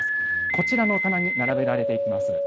こちらの棚に並べられていきます。